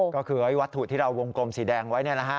ก็คือไอ้วัตถุที่เราวงกลมสีแดงไว้นี่แหละค่ะ